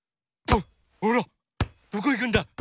どこいくんだ。